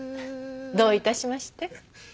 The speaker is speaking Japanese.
どういたしまして。